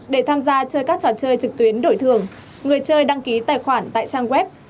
để tham gia chơi các trò chơi trực tuyến đổi thường người chơi đăng ký tài khoản tại trang web